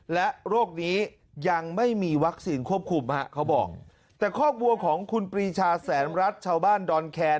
และโรคนี้ยังไม่มีวัคซีนควบคุมฮะเขาบอกแต่ครอบครัวของคุณปรีชาแสนรัฐชาวบ้านดอนแคน